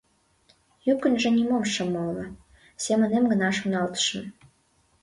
Йӱкынжӧ нимом шым ойло, семынем гына шоналтышым.